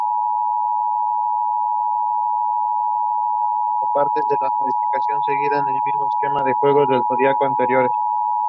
La pintura original está depositada en el museo vaticano de arte.